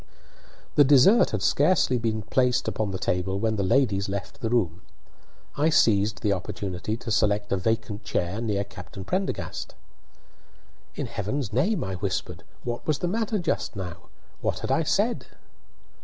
The dessert had scarcely been placed upon the table when the ladies left the room. I seized the opportunity to select a vacant chair next Captain Prendergast. "In heaven's name," I whispered, "what was the matter just now? What had I said?"